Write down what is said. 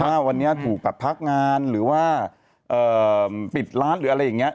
ว่าวันนี้ถูกแบบพักงานหรือว่าปิดร้านหรืออะไรอย่างนี้